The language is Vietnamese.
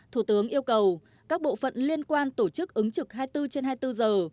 thủ tướng yêu cầu các bộ phận liên quan tổ chức ứng trực hai mươi bốn trên hai mươi bốn giờ